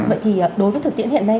vậy thì đối với thực tiễn hiện nay